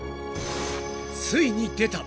［ついに出た！］